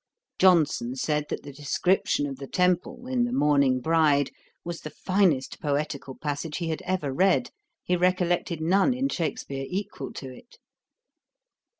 Johnson said, that the description of the temple, in the Mourning Bride, was the finest poetical passage he had ever read; he recollected none in Shakspeare equal to it.